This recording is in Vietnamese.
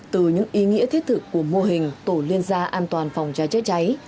từ những ý nghĩa thiết thực của mô hình tổ liên gia an toàn phòng cháy chữa cháy